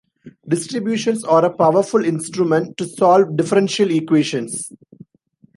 Distributions are a powerful instrument to solve differential equations.